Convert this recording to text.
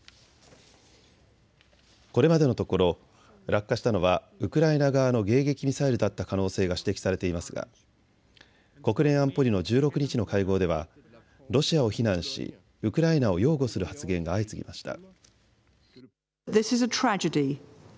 これまでのところ落下したのはウクライナ側の迎撃ミサイルだった可能性が指摘されていますが国連安保理の１６日の会合ではロシアを非難しウクライナを擁護する発言が相次ぎました。